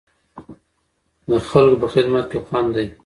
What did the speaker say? د خلکو په خدمت کې خوند دی.